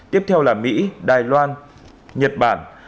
tiếp theo là mỹ đài loan nhật bản